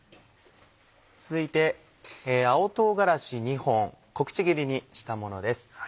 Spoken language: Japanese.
続いて青唐辛子２本小口切りにしたものです。